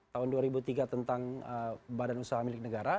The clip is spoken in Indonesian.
tahun dua ribu tiga tentang badan usaha milik negara